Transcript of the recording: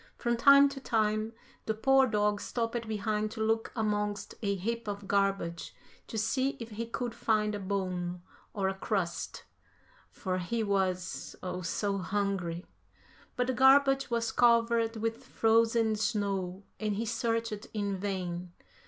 From time to time, the poor dog stopped behind to look amongst a heap of garbage to see if he could find a bone or a crust, for he was oh, so hungry, but the garbage was covered with frozen snow and he searched in vain.